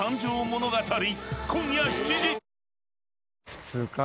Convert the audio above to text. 普通か。